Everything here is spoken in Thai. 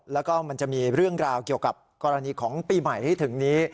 มันก็จะมีเรื่องราวเกี่ยวกับกรณีของปีใหม่ให้ถึงนี้